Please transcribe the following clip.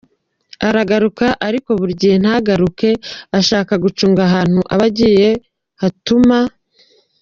aragaruka ariko buri gihe ntagaruke, ashaka gucunga ahantu aba agiye hatuma.